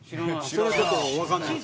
それはちょっとわからないです。